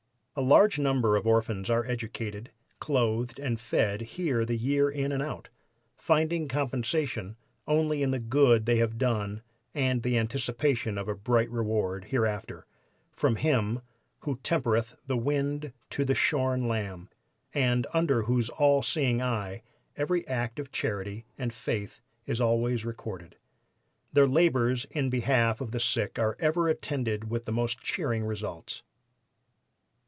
A large number of orphans are educated, clothed and fed here the year in and out, finding compensation only in the good they have done and the anticipation of a bright reward hereafter, from Him 'Who tempereth the wind to the shorn lamb,' and under whose 'All seeing Eye' every act of charity and faith is always recorded. Their labors in behalf of the sick are ever attended with the most cheering results.